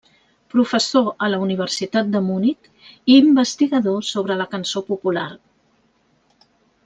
Professor a la Universitat de Munic i investigador sobre la cançó popular.